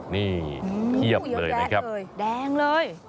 นี่เพียบเลยนะครับโอ้โหเยอะแกะเลยแดงเลย